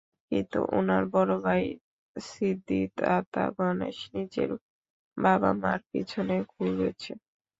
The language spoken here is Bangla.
কিন্তু উনার বড় ভাই সিদ্ধিদাতা গণেশ নিজের বাবা-মার পিছনে ঘুরেছে।